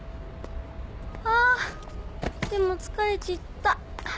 あでも疲れちった！